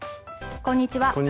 こんにちは。